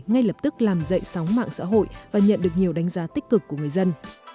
ngay lập tức làm dậy sóng mạng xã hội và nhận được nhiều đánh giá tích cực của người dân